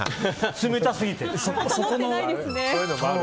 冷たすぎて。